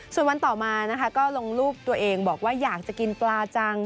ส่วนวันต่อมานะคะก็ลงรูปตัวเองบอกว่าอยากจะกินปลาจัง